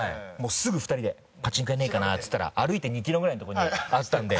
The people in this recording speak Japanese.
すぐ２人でパチンコ屋ねえかなっつったら歩いて２キロぐらいのとこにあったんで。